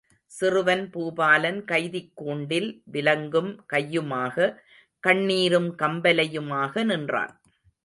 சிறுவன் பூபாலன் கைதிக் கூண்டில் விலங்கும் கையுமாக கண்ணீரும் கம்பலையுமாக நின்றான்.